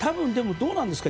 どうなんですか。